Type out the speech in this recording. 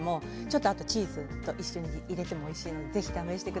あとチーズと一緒に入れてもおいしいですよ。